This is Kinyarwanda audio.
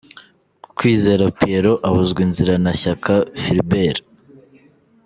Kwizera Pierrot abuzwa inzira na Shyaka Philbert.